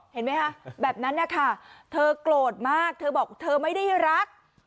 เห็นมั้ยค่ะเธอโกรธมากเธอบอกว่าเธอไม่ได้รัก